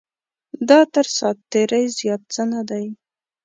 دا تر ساعت تېرۍ زیات څه نه دی.